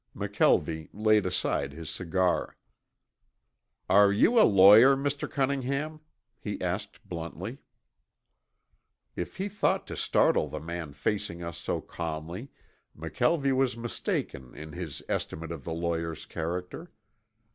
McKelvie laid aside his cigar. "Are you a lawyer, Mr. Cunningham?" he asked bluntly. If he thought to startle the man facing us so calmly McKelvie was mistaken in his estimate of the lawyer's character.